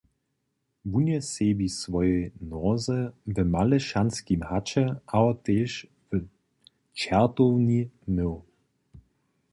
Wón je sebi swojej noze w Malešanskim haće abo tež w Čertowni mył.